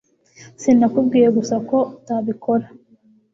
Sinakubwiye gusa ko utabikora